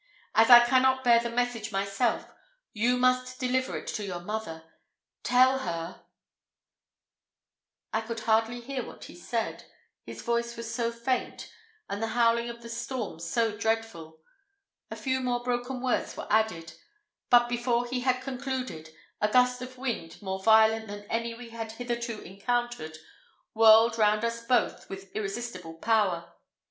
As I cannot bear the message myself, you must deliver it to your mother. Tell her " I could hardly hear what he said, his voice was so faint, and the howling of the storm so dreadful: a few more broken words were added; but before he had concluded, a gust of wind more violent than any we had hitherto encountered whirled round us both with irresistible power.